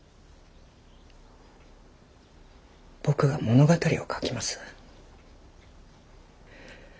僕が物語を書きます。